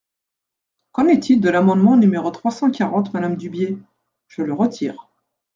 Qu’en est-il de l’amendement numéro trois cent quarante, madame Dubié ? Je le retire.